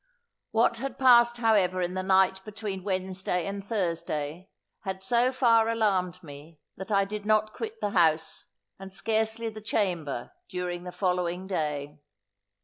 What had passed however in the night between Wednesday and Thursday, had so far alarmed me, that I did not quit the house, and scarcely the chamber, during the following day.